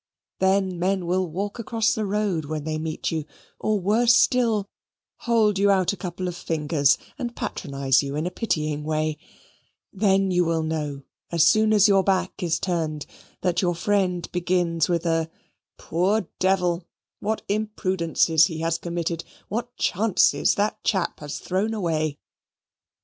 Then men will walk across the road when they meet you or, worse still, hold you out a couple of fingers and patronize you in a pitying way then you will know, as soon as your back is turned, that your friend begins with a "Poor devil, what imprudences he has committed, what chances that chap has thrown away!"